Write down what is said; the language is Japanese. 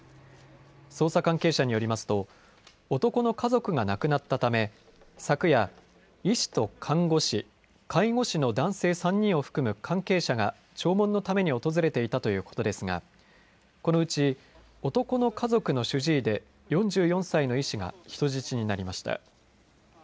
捜査関係者によりますと、男の家族が亡くなったため、昨夜、医師と看護師、介護士の男性３人を含む関係者が、弔問のために訪れていたということですが、このうち男の家族の主治医で４４歳の医師が人質になりました。